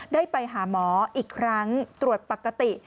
ได้ไปหาหมออีกครั้งตรวจปกติ